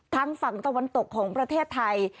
ทางฝั่งตะวันตกของประเทศไทย